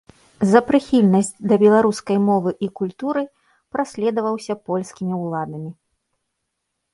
За прыхільнасць да беларускай мовы і культуры праследаваўся польскімі ўладамі.